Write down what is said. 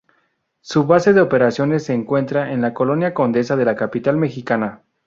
Su base de operaciones se encuentra en la Colonia Condesa de la capital mexicana.